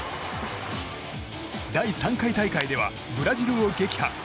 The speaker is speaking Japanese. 第３回大会ではブラジルを撃破。